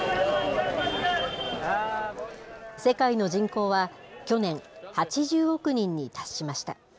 世界の人口は去年、８０億人に達しました。